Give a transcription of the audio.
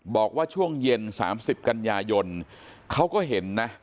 บอกว่าช่วงเย็น๓๐กันยายนเขาก็เห็นนะ